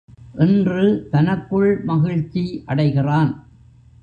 என்று தனக்குள் மகிழ்ச்சி அடைகிறான்.